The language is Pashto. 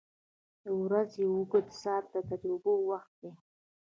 • د ورځې اوږده ساعته د تجربو وخت دی.